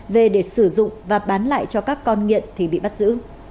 về để sử dụng và bán lại cho các con nghiện thì bị bắt giữ